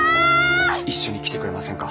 一緒に来てくれませんか？